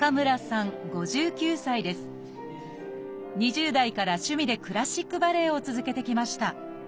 ２０代から趣味でクラシックバレエを続けてきました。